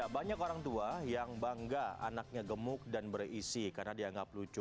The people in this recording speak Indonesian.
banyak orang tua yang bangga anaknya gemuk dan berisi karena dianggap lucu